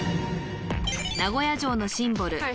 名古屋城のシンボル